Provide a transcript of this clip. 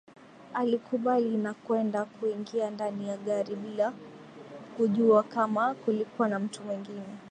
Alikubali na kwenda kuingia ndani ya gari bila kujua kama kulikuwa na mtu mwingine